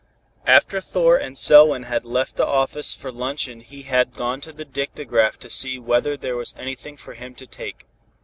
After Thor and Selwyn had left the office for luncheon he had gone to the dictagraph to see whether there was anything for him to take.